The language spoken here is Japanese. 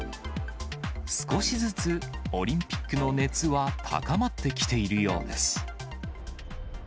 少しずつオリンピックの熱は高まってきているようです。